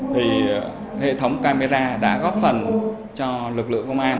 thì hệ thống camera đã góp phần cho lực lượng công an